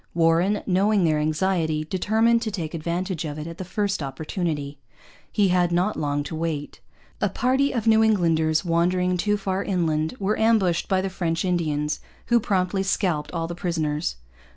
Warren, knowing their anxiety, determined to take advantage of it at the first opportunity. He had not long to wait. A party of New Englanders, wandering too far inland, were ambushed by the French Indians, who promptly scalped all the prisoners.